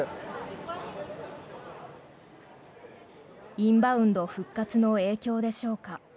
インバウンド復活の影響でしょうか。